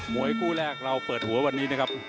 วยคู่แรกเราเปิดหัววันนี้นะครับ